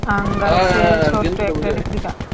অ্যাঙ্গাসের ছোট্ট একটা রেপ্লিকা!